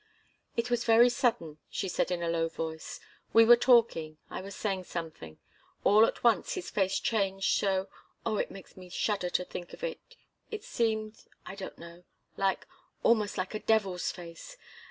"It was very sudden," she said in a low voice. "We were talking I was saying something all at once his face changed so oh, it makes me shudder to think of it. It seemed I don't know like almost like a devil's face!